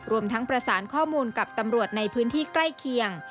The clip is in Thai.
รวมทั้งประสานข้อมูลกับตำรวจในพื้นที่ใกล้เคียง